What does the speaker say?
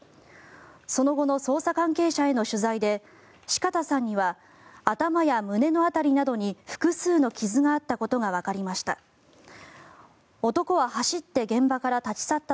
その後の捜査関係者への取材で四方さんには頭や胸の辺りなどに複数の傷があったことがわかりました。